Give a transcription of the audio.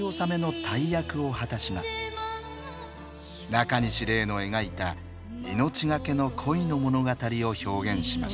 なかにし礼の描いた命懸けの恋の物語を表現しました。